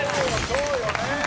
そうよね。